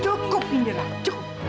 cukup indira cukup